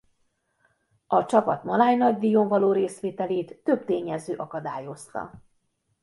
A csapat maláj nagydíjon való részvételét több tényező akadályozta.